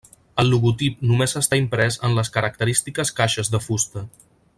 El logotip només està imprès en les característiques caixes de fusta.